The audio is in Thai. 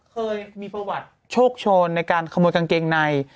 เคยมีประวัติโชคโชนในการขโมยกางเกงใน